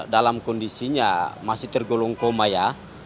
dalam kondisinya masih tergolong koma ya